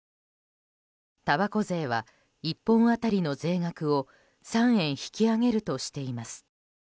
たばこ税は１本当たりの税額を３円引き上げるとしています。